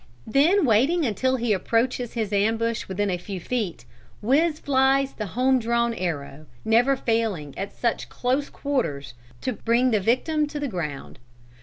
Then waiting until he approaches his ambush within a few feet, whiz flies the home drawn arrow, never failing at such close quarters to bring the victim to the ground.